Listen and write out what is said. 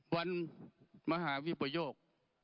วันมหาวิปโยค